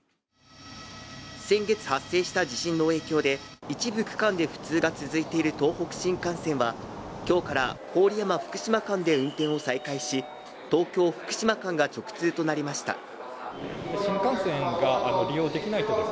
先月発生した地震の影響で一部区間で不通が続いている東北新幹線は今日から郡山・福島間で運転を再開し、東京・福島間が直通となりました。